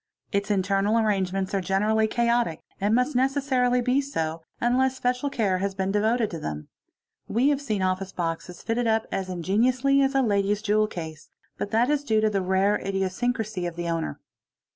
Its internal arrangements are generally chaotic and must necessarily be so, unless special care has been devoted to them. We have seen office boxes fitted up as ingeniously as a lady's jewel case, but that is due to the rare idiosyncracy of the owner.